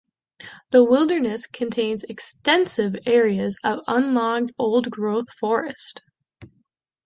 The wilderness contains extensive areas of unlogged, old-growth forest.